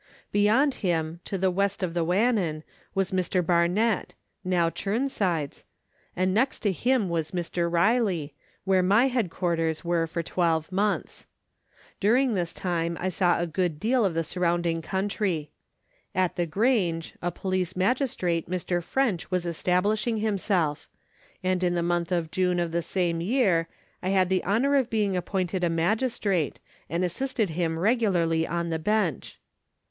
Beyond him, to the west on the Wannon, was Mr. Barnett, now Chirnside's, and next to him was Mr. Riley, where my head quarters were for twelve months. During this time I saw a good deal of the surrounding country. At the Grange, a police magis trate, Mr. French, was establishing himself ; and in the month of June of the same year I had the honour of being appointed a magis trate, and assisted him regularly on the bench. Mr.